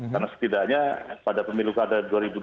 karena setidaknya pada pemilu kada dua ribu dua puluh